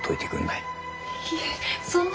いえそんな。